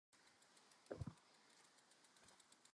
See insect winter ecology and antifreeze protein.